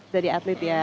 jadi atlet ya